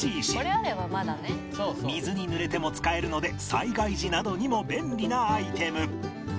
水に濡れても使えるので災害時などにも便利なアイテム